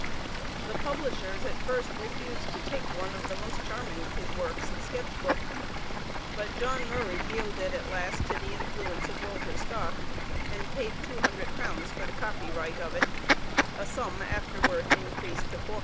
The publishers at first refused to take one of the most charming of his works, the "Sketch Book"; but John Murray yielded at last to the influence of Walter Scott, and paid £200 for the copyright of it, a sum afterward increased to £400.